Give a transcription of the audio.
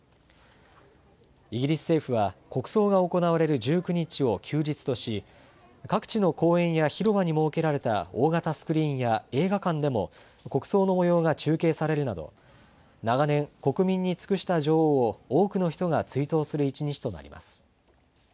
イギリス政府は国葬が行われる１９日を休日とし、各地の公園や広場に設けられた大型スクリーンや映画館でも国葬のもようが中継されるなど、長年、国民に尽くした女王を多くの人が追悼する一日となります。